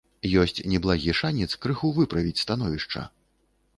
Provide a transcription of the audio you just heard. Ёсць неблагі шанец крыху выправіць становішча.